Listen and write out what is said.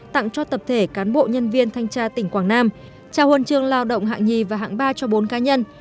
tặng cho tập thể cán bộ nhân viên thanh tra tỉnh quảng nam trao huân chương lao động hạng nhì và hạng ba cho bốn cá nhân